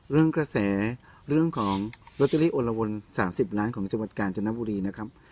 กระแสเรื่องของลอตเตอรี่โอละวน๓๐ล้านของจังหวัดกาญจนบุรีนะครับ